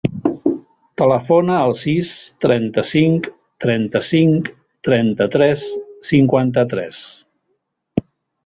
Telefona al sis, trenta-cinc, trenta-cinc, trenta-tres, cinquanta-tres.